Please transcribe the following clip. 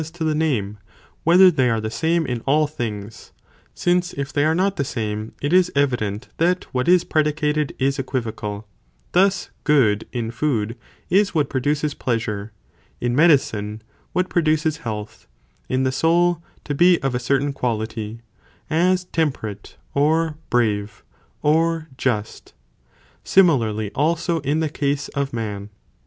Whether the as to name, whether they are the same in all word belongs things, since if they are not the same, it is evident {ihe came that what is predicated, is equivocal ; thus good in : food is what produces pleasure, in medicine, what produces health, in the soul, to be of a certain quality, as temperate, or brave, or just, similarly also in the case of man.